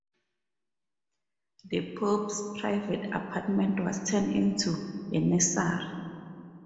The pope's private apartment was turned into a nursery.